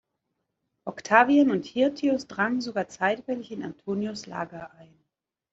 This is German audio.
Octavian und Hirtius drangen sogar zeitweilig in Antonius’ Lager ein.